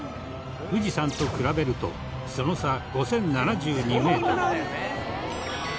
富士山と比べるとその差５０７２メートル。